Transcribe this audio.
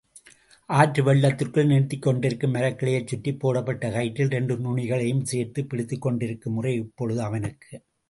ஆற்றுவெள்ளத்திற்குள் நீட்டிக்கொண்டிருக்கும் மரக்கிளையைச் சுற்றிப் போடப்பட்ட கயிற்றில் இரண்டு நுனிகளையும் சேர்த்துப் பிடித்துக்கொண்டிருக்கும் முறை இப்பொழுது அவனுக்கு.